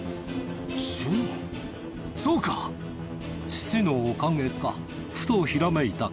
父のおかげかふとひらめいた薫。